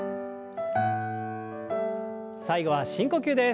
最後は深呼吸です。